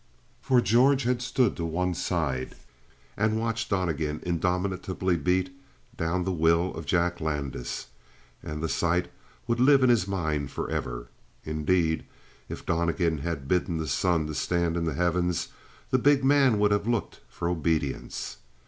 For George had stood to one side and watched Donnegan indomitably beat down the will of Jack Landis, and the sight would live in his mind forever. Indeed, if Donnegan had bidden the sun to stand in the heavens, the big man would have looked for obedience.